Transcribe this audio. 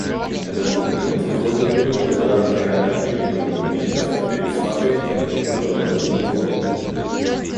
Этот документ выходит далеко за рамки ранее принятых документов и предусматривает активную роль региона.